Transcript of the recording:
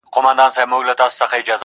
زما سره يې دومره ناځواني وكړله ~